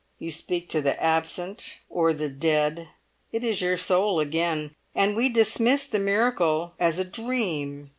You speak to the absent or the dead; it is your soul again; and we dismiss the miracle as a dream!